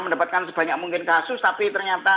mendapatkan sebanyak mungkin kasus tapi ternyata